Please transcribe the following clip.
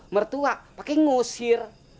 mertua pake ngusir